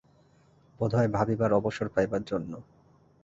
বোধ হয় ভাবিবার অবসর পাইবার জন্য।